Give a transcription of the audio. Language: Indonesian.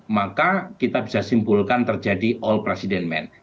maka kita bisa simpulkan terjadi all president man